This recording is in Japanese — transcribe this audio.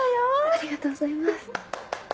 ありがとうございます。